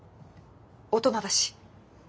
大人だし。